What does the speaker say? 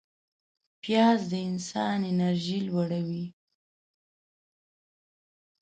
پیاز د انسان انرژي لوړوي